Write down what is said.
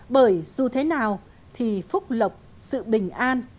bởi dù thế nào thì phúc lộc sự bình an